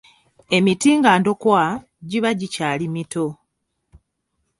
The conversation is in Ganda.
"Emiti nga ndokwa, giba gikyali mito. "